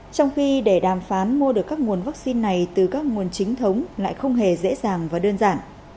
trong khi để đàm phán mua được các nguồn vaccine này từ các nguồn chính thống lại không hề dễ dàng và đơn giản